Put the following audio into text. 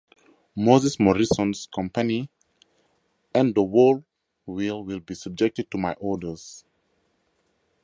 Moses Morrison’s Company and the whole will be subject to my orders.